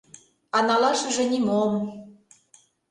А налашыже нимом...